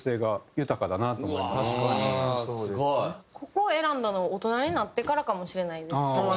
ここを選んだの大人になってからかもしれないですね。